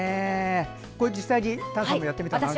実際に丹さんもやってみたんですよね。